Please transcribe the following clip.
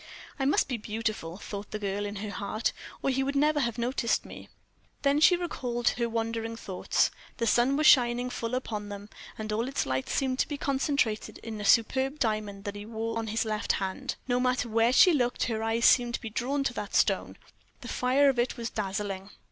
"I must be beautiful," thought the girl, in her heart, "or he would never have noticed me." Then she recalled her wandering thoughts. The sun was shining full upon them, and all its light seemed to be concentrated in a superb diamond that he wore on his left hand. No matter where she looked, her eyes seemed to be drawn to that stone; the fire of it was dazzling.